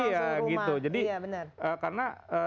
iya gitu jadi karena